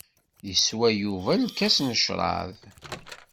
Yeswa Yuba lkas n ccrab.